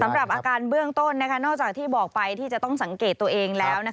อาการเบื้องต้นนอกจากที่บอกไปที่จะต้องสังเกตตัวเองแล้ว